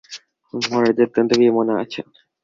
মহারাজ অত্যন্ত বিমনা আছেন।